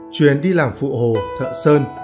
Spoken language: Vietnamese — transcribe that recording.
truyền đi làm phụ hồ